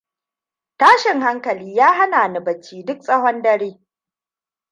Tashin hankali ya hana ni bacci duk tsahon dare.